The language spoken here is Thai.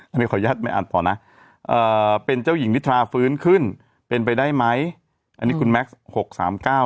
ไม่ใช่แม่อันผ่านะเป็นเจ้าหญิงนิตราฟื้นขึ้นเป็นไปได้ไม๊อันนี้คุณแม็กซ์๖๓๙นะ